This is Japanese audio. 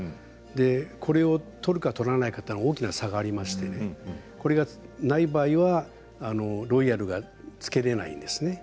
これを取るか取らないかは大きな差がありましてない場合はロイヤルがつけられないんですね。